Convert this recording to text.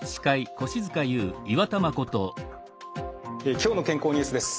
「きょうの健康ニュース」です。